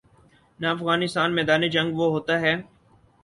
نہ افغانستان میدان جنگ وہ ہوتا ہے۔